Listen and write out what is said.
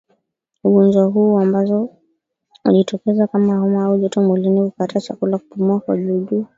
ugonjwa huu ambazo hujitokeza kama homa au joto mwilini kukataa chakula kupumua kwa juujuu